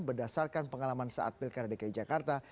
berdasarkan pengalaman saat pilkada dki jakarta